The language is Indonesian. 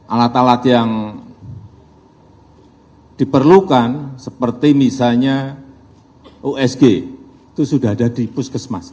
alat alat yang diperlukan seperti misalnya usg itu sudah ada di puskesmas